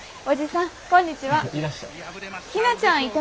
おじさん。